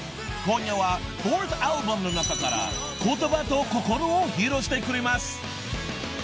［今夜はフォースアルバムの中から『言葉と心』を披露してくれます］